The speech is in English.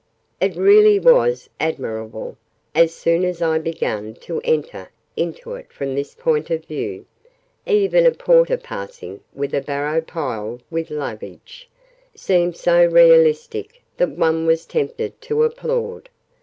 It really was admirable, as soon as I began to enter into it from this point of view. Even a porter passing, with a barrow piled with luggage, seemed so realistic that one was tempted to applaud.